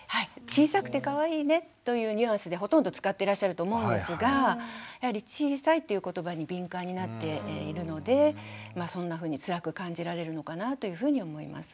小さくてかわいいねというニュアンスでほとんど使ってらっしゃると思うんですがやはり「小さい」という言葉に敏感になっているのでそんなふうにつらく感じられるのかなというふうに思います。